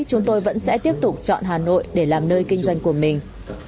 chúng tôi vẫn sẽ tiếp tục chọn hà nội để làm nơi kinh doanh của mình